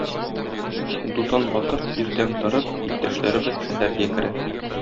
Дутан батыр, иртән торып, иптәшләре белән шәһәргә керә.